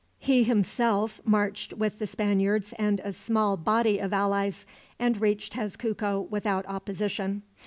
He himself marched with the Spaniards and a small body of allies, and reached Tezcuco without opposition.